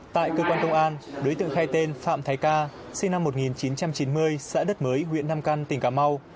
tại cơ quan công an đối tượng khai tên phạm thái ca sinh năm một nghìn chín trăm chín mươi xã đất mới huyện nam căn tỉnh cà mau